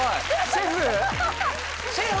シェフ？